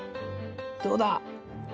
どうだ？